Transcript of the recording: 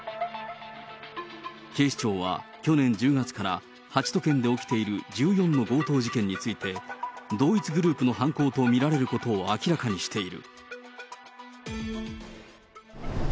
警視庁は去年１０月から、８都県で起きている１４の強盗事件について、同一グループの犯行と見られることを明らかにしている。